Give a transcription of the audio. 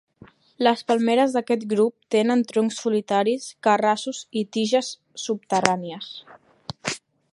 Les palmeres d'aquest grup tenen troncs solitaris, carrassos i tiges subterrànies.